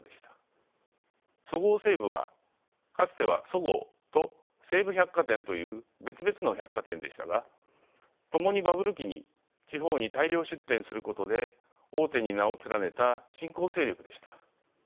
そごう・西武はかつてはそごうと西武百貨店という別々の百貨店でしたがともにバブル期に地方に大量出店することで大手に名を連ねた新興勢力でした。